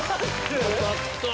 よかった。